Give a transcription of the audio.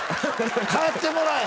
帰ってもらえ！